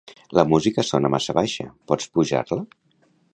La música sona massa baixa, pots pujar-la.